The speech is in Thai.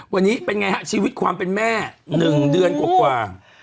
วันนี้เป็นไงฮะชีวิตความเป็นแม่๑เดือนกว่า